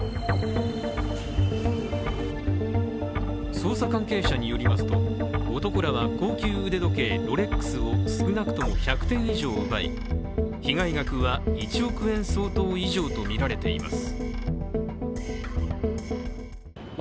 捜査関係者によりますと男らは高級腕時計ロレックスを少なくとも１００点以上奪い、被害額は１億円相当以上とみられています。